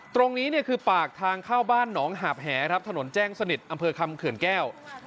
ตรงนี้คือปากทางข้าวบ้านหนองหาบแหถนนแจ้งสนิทอำเภอคำเขินแก้ว